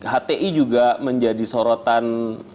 hti juga menjadi sorotan